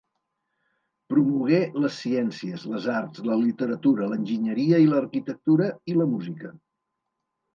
Promogué les ciències, les arts, la literatura, l'enginyeria i l'arquitectura, i la música.